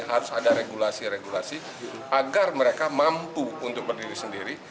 harus ada regulasi regulasi agar mereka mampu untuk berdiri sendiri